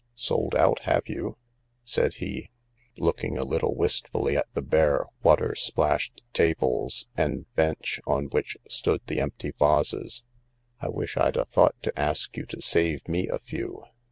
" Sold out, have ypu ?" said h$, looking a little wistfully at the bare, wai^r splashed tables a.n<J bench on which stood the ei&p|l:y vases. " I wish I'd 'a though^ to ask you to save me a fejw."